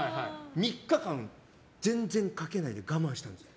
３日間、全然かけないで我慢したんです。